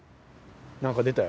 何か出たよ。